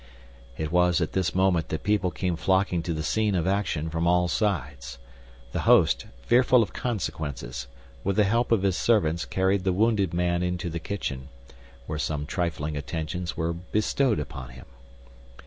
It was at this moment that people came flocking to the scene of action from all sides. The host, fearful of consequences, with the help of his servants carried the wounded man into the kitchen, where some trifling attentions were bestowed upon him.